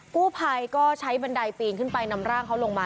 กู้ภัยก็ใช้บันไดปีนขึ้นไปนำร่างเขาลงมา